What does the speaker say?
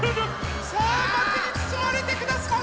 さあまくにつつまれてください！